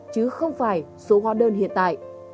chứ không phải số hóa đơn hiện tại